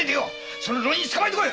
その浪人捕まえてこい！